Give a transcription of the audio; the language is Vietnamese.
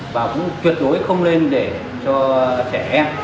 và cũng tuyệt đối không lên để cho trẻ em